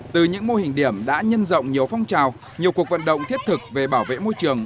từ những mô hình điểm đã nhân rộng nhiều phong trào nhiều cuộc vận động thiết thực về bảo vệ môi trường